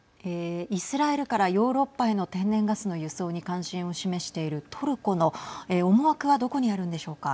イスラエルからヨーロッパへの天然ガスの輸送に関心を示しているトルコの思惑はどこにあるんでしょうか。